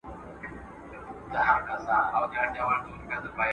د ښاغلي جهاني د یوه شعر په هکله یادونه او د شعر بشپړ متن: `